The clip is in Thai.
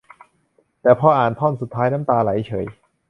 แต่พออ่านท่อนสุดท้าย น้ำตาไหลเฉย